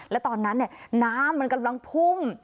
และตอนนั้นเนี่ยน้ำมันกำลังพุ่ง